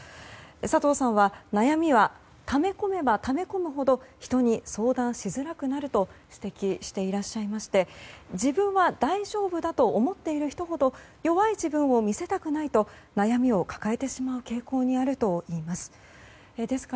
佐藤さんは、悩みはため込めばため込むほど人に相談しづらくなると指摘していらっしゃいまして自分は大丈夫だと思っている人ほど弱い自分を見せたくないと悩みを抱えてしまう傾向にあるといいます。